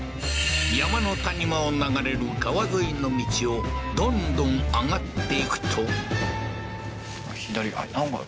山の谷間を流れる川沿いの道をどんどん上がっていくとん？